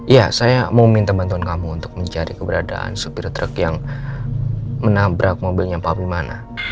iya saya mau minta bantuan kamu untuk mencari keberadaan supir truk yang menabrak mobilnya pabrik mana